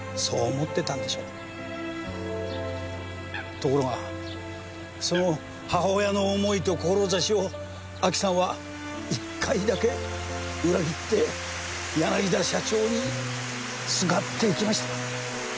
ところがその母親の思いと志をアキさんは１回だけ裏切って柳田社長にすがっていきました。